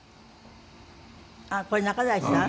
あっこれ仲代さん？